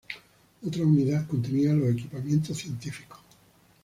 Otra unidad contenía los equipamientos científicos.